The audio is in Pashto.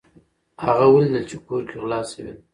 هغه ولیدل چې کور کې غلا شوې ده.